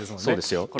そうですよ。